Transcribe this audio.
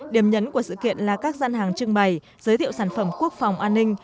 điểm nhấn của sự kiện là các gian hàng trưng bày giới thiệu sản phẩm quốc phòng an ninh